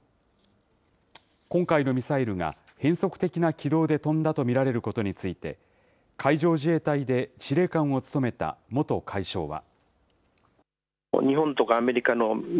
今回のミサイルが、変則的な軌道で飛んだと見られることについて、海上自衛隊で司令官を務めた元海将は。